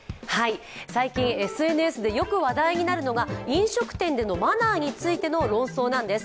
最近、ＳＮＳでよく話題になるのが飲食店でのマナーについての論争なんです。